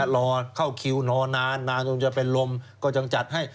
รอเข้าคิวนอนนานจนจะเป็นลมก็ยังจัดให้